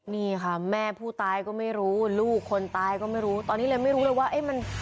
นี่ค่ะแม่ผู้ตายก็ไม่รู้ลูกคนตายก็ไม่รู้ตอนนี้เลยไม่รู้เลยว่าเอ๊ะมัน